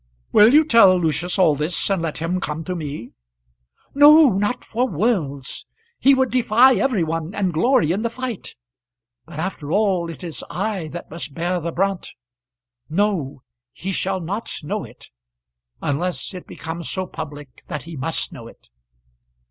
"Will you tell Lucius all this, and let him come to me?" "No; not for worlds. He would defy every one, and glory in the fight; but after all it is I that must bear the brunt. No; he shall not know it; unless it becomes so public that he must know it."